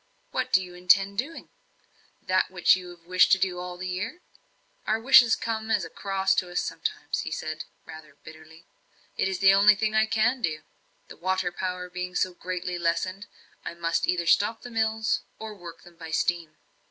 "What do you intend doing? That which you have wished to do all the year?" "Our wishes come as a cross to us sometimes," he said, rather bitterly. "It is the only thing I can do. The water power being so greatly lessened, I must either stop the mills, or work them by steam."